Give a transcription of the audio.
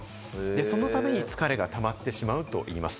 そのために疲れが溜まってしまうといいます。